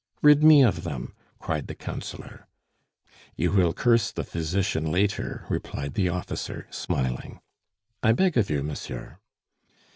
"Rid me of them!" cried the Councillor. "You will curse the physician later," replied the officer, smiling. "I beg of you, monsieur."